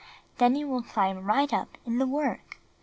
Then you will climb right up in the work."